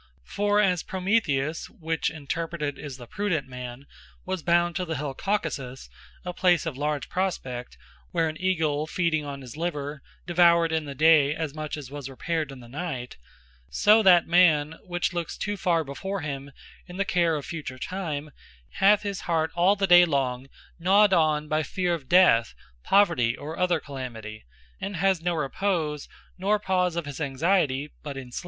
For as Prometheus, (which interpreted, is, The Prudent Man,) was bound to the hill Caucasus, a place of large prospect, where, an Eagle feeding on his liver, devoured in the day, as much as was repayred in the night: So that man, which looks too far before him, in the care of future time, hath his heart all the day long, gnawed on by feare of death, poverty, or other calamity; and has no repose, nor pause of his anxiety, but in sleep.